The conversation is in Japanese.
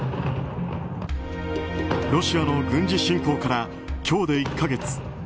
ロシアの軍事侵攻から今日で１か月。